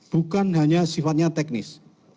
bukan hanya sifatnya teknis